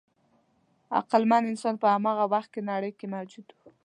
عقلمن انسان په هماغه وخت کې نړۍ کې موجود و.